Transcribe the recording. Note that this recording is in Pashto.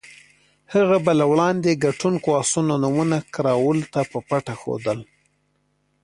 هغه به له وړاندې ګټونکو اسونو نومونه کراول ته په پټه ښودل.